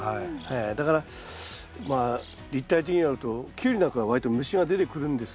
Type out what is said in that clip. だからまあ立体的になるとキュウリなんかは割と虫が出てくるんですけどね。